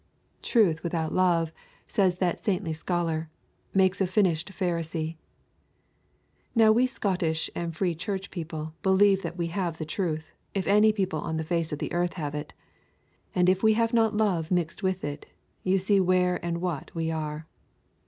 'Truth without love,' says that saintly scholar, 'makes a finished Pharisee.' Now we Scottish and Free Church people believe we have the truth, if any people on the face of the earth have it; and if we have not love mixed with it, you see where and what we are.